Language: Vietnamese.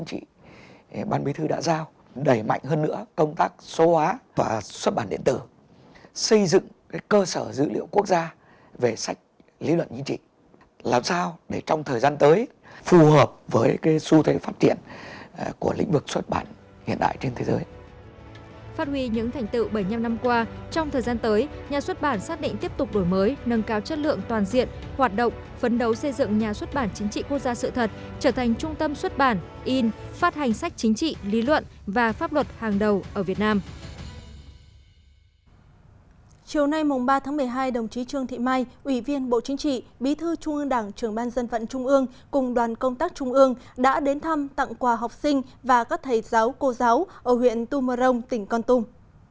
chiều nay mùng ba tháng một mươi hai đồng chí trương thị mai ủy viên bộ chính trị bí thư trung ương đảng trường ban dân vận trung ương cùng đoàn công tác trung ương đã đến thăm tặng quà học sinh và các thầy giáo cô giáo ở huyện tumorong tỉnh con tung